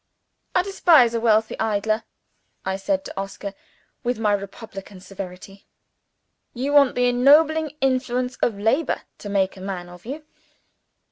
"I despise a wealthy idler," I said to Oscar, with my republican severity. "You want the ennobling influence of labor to make a man of you.